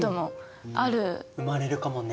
生まれるかもね。